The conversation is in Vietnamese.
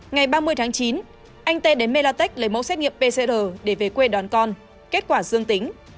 ngày ba mươi tháng chín anh tê đến melatech lấy mẫu xét nghiệm pcr để về quê đón con kết quả dương tính